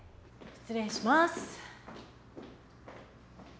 失礼します。